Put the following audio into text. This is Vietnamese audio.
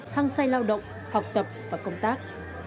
thăng say lao động học tập và công tác